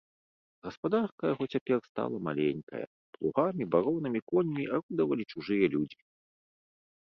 Гаспадарка яго цяпер стала маленькая, плугамі, баронамі, коньмі арудавалі чужыя людзі.